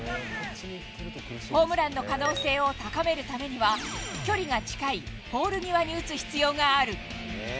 ホームランの可能性を高めるためには、距離が近いポール際に打つ必要がある。